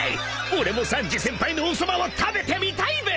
［俺もサンジ先輩のおそばを食べてみたいべ！］